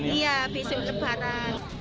iya besok lebaran